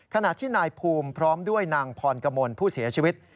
ขณะที่นายภูมิพร้อมด้วยนางพรกมลผู้เสียชีวิต